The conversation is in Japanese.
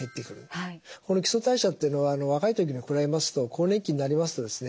この基礎代謝っていうのは若い時に比べますと更年期になりますとですね